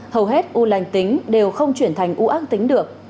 hầu hết u lành tính đều không chuyển thành u ác tính được